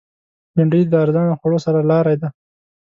بېنډۍ د ارزانه خوړو سرلاری ده